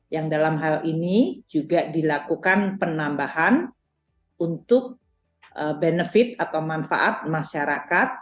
yang dalam hal ini juga dilakukan penambahan untuk benefit atau manfaat masyarakat